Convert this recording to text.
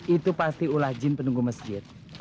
itu pasti ulah jin penunggu masjid